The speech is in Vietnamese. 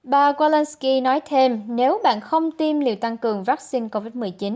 bà kelensky nói thêm nếu bạn không tiêm liều tăng cường vaccine covid một mươi chín